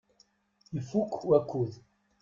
Ifukk wakud.